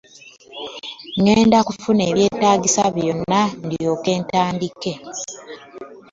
Ŋŋenda kufuna ebyetaagisa byonna ndyoke ntandike.